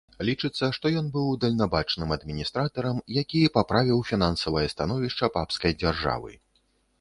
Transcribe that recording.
Лічыцца, што ён быў дальнабачным адміністратарам, які паправіў фінансавае становішча папскай дзяржавы.